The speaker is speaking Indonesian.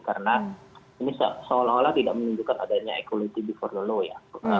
karena ini seolah olah tidak menunjukkan adanya equality before the law ya